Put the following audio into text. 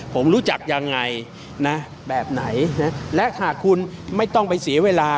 ผมรู้จักยังไงนะแบบไหนและหากคุณไม่ต้องไปเสียเวลา